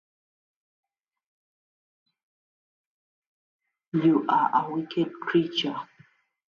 You are a wicked creature!